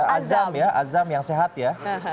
azam ya azam yang sehat ya